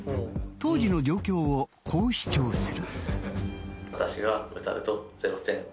当時の状況をこう主張する。